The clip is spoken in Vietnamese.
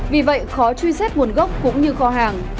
vì vậy khó truy xét nguồn gốc cũng như kho hàng